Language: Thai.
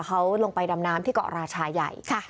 เขาลงไปดำน้ำที่เกาะราชาใหญ่